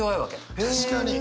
確かに。